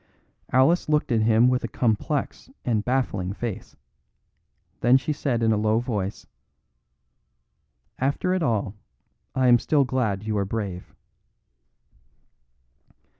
Alice looked at him with a complex and baffling face; then she said in a low voice: "After it all, I am still glad you are brave."